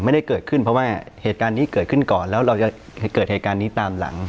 ไม่ได้เกิดขึ้นเพราะว่าเหตุการณ์นี้เกิดขึ้นก่อนแล้วเราจะเกิดเหตุการณ์นี้ตามหลัง